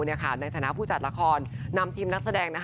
ในฐานะผู้จัดละครนำทีมนักแสดง